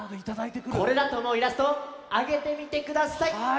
これだとおもうイラストをあげてみてください！